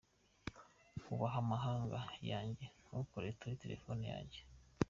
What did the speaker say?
Ubaha amabanga yanjye; ntukore kuri Telefone yanjye.